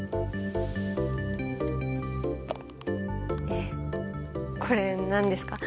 えこれ何ですか？